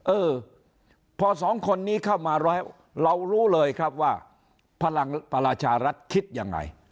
เออพอสองคนนี้เข้ามาแล้วเรารู้เลยครับว่าพลังประชารัฐคิดยังไง